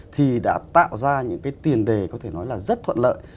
thì đã tạo ra những cái tiền đề có thể nói là rất thuận lợi